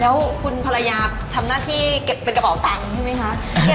แล้วคุณภรรยาทำหน้าที่เก็บเป็นกระเป๋าตังค์ใช่ไหมคะ